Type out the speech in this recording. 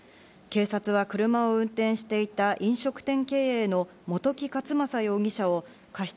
警察は車を運転していた飲食店経営の元木克昌容疑者を過失